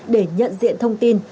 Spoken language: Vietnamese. để nhận diện thông tin